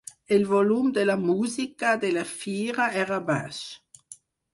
El volum de la música de la fira era baix.